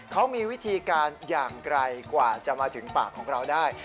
เขามีวิธีการอย่างไกลกว่าจะมาถึงปากของเราได้